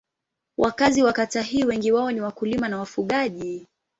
Wakazi wa kata hii wengi wao ni wakulima na wafugaji.